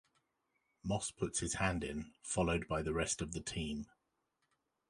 Moss puts his hand in, followed by the rest of the team.